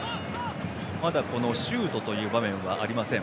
まだシュートという場面ありません